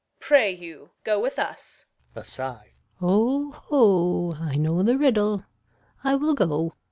Pray you go with us. Gon. [aside] O, ho, I know the riddle. I will go.